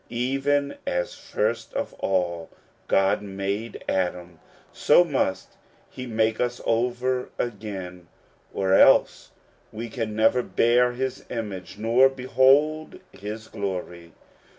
Even as first of all God made Adam, so must he make us over again, or else we can never bear his image nor behold his glory.